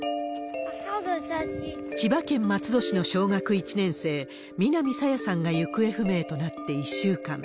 千葉県松戸市の小学１年生、南朝芽さんが行方不明となって１週間。